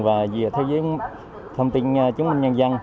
và dựa theo thông tin chúng mình nhân dân